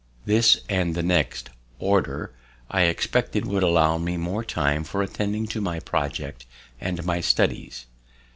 This and the next, Order, I expected would allow me more time for attending to my project and my studies.